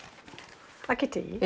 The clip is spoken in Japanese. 開けていい？